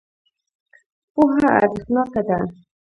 پوهه ارزښتناکه ده.